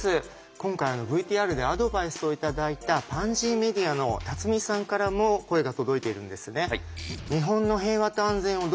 今回ＶＴＲでアドバイスを頂いたパンジーメディアの辰己さんからも声が届いているんですね。